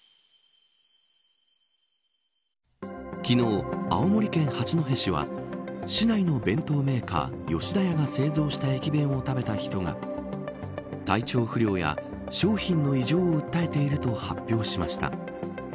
昨日、青森県八戸市は市内の弁当メーカー吉田屋が製造した駅弁を食べた人が体調不良や商品の異常を訴えていると発表しました。